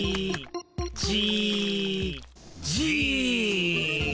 じ。